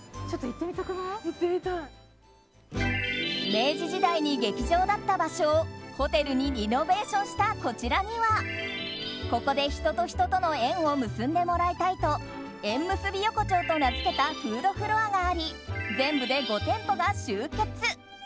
明治時代に劇場だった場所をホテルにリノベーションしたこちらにはここで人と人との縁を結んでもらいたいと縁結び横丁と名付けたフードフロアがあり全部で５店舗が集結。